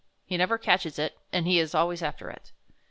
He never catches it, and he is always after it.